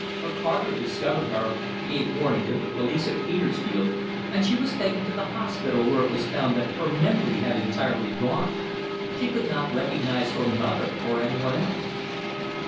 A carter discovered her, gave warning to the police at Petersfield, and she was taken to the hospital, where it was found that her memory had entirely gone. She could not recognize her mother or anyone else."